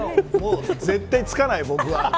絶対つかない、僕は。